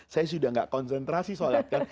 saya sudah tidak konsentrasi sholat kan